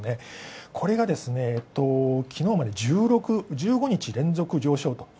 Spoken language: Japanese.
これが昨日まで１５日連続上昇と。